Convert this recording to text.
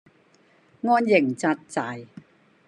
安營紮寨